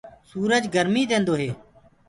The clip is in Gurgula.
سُورج گرميٚ ديندو هي۔